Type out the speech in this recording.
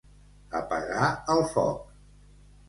Apagar el foc.